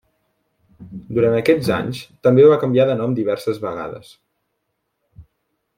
Durant aquests anys també va canviar de nom diverses vegades.